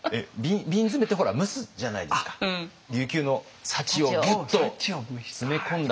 琉球の幸をギュッと詰め込んだ。